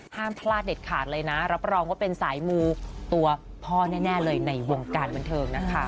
ห้ามพลาดเด็ดขาดเลยนะรับรองว่าเป็นสายมูตัวพ่อแน่เลยในวงการบันเทิงนะคะ